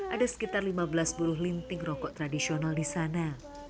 ada sekitar lima belas buruh linting rokok tradisional di sana